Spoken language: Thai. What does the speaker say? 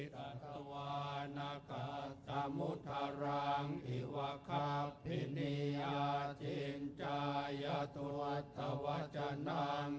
โภคิตขัตขมติฮัตสุทธารุนันตังอิวะขับพินิยจินตะยัตุวัตตะวัชนัง